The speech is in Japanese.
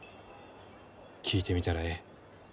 聞いてみたらえい。